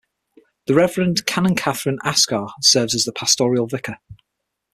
The Reverend Canon Catherine Ascah serves as the Pastoral Vicar.